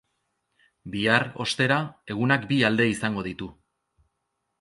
Bihar, ostera, egunak bi alde izango ditu.